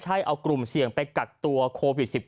ใช่เอากลุ่มเสี่ยงไปกักตัวโควิด๑๙